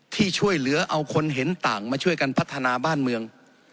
ที่ช่วยเหลือเอาคนเห็นต่างมาช่วยกันพัฒนาบ้านเมือง